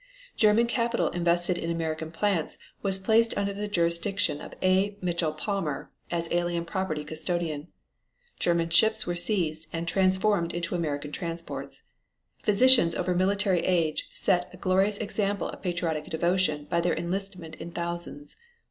German capital invested in American plants was placed under the jurisdiction of A. Mitchell Palmer as Alien Property Custodian. German ships were seized and transformed into American transports. Physicians over military age set a glorious example of patriotic devotion by their enlistment in thousands.